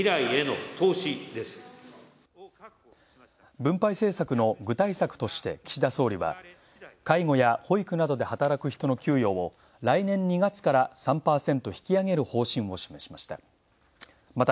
分配政策の具体策として岸田総理は介護や保育などで働く人の給与を来年２月から３％引き上げる方針を示しました。